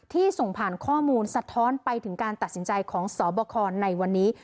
ที่ส่งผ่านข้อมูลสะท้อนไปถึงการตัดสินใจของสบคในวันนี้